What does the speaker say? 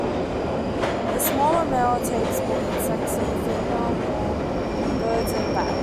The smaller male takes more insects, and the female more birds and bats.